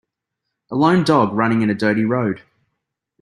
a lone dog running in a dirty road